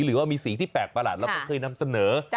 หรือว่ามีสีที่แปลกละแล้วเคยนำเสนอ